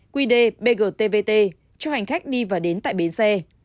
quy đề bgtvt cho hành khách đi và đến tại bến xe